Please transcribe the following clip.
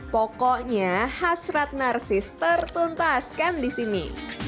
pokoknya hasrat narsis tertuntaskan di sini